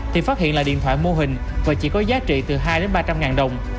thì phát hiện là điện thoại mô hình và chỉ có giá trị từ hai đến ba trăm linh ngàn đồng